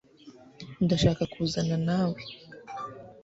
ndashaka kuzana nawe